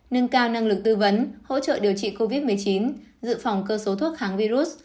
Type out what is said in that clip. nâng cao năng lực tư vấn hỗ trợ điều trị covid một mươi chín dự phòng cơ số thuốc kháng virus